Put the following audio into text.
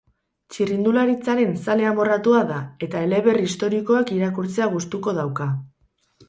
Txirrindularitzaren zale amorratua da eta eleberri historikoak irakurtzea gustuko dauka.